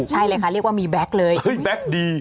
ใช่เลยค่ะเรียกว่ามีแบ็กเลยแบ็กดี